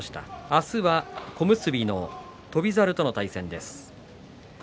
明日は小結の翔猿との対戦です。